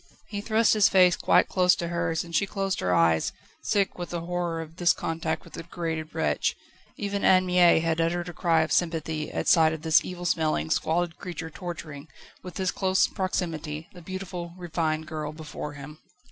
He thrust his face quite close to hers, and she closed her eyes, sick with the horror of this contact with the degraded wretch. Even Anne Mie had uttered a cry of sympathy at sight of this evil smelling, squalid creature torturing, with his close proximity, the beautiful, refined girl before him.